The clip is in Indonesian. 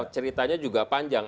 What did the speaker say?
ceritanya juga panjang